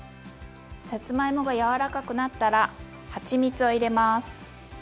さつまいもが柔らかくなったらはちみつを入れます。